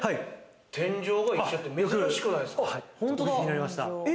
天井が一緒って珍しくないですか？